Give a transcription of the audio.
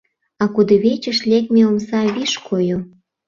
А кудывечыш лекме омса виш койо.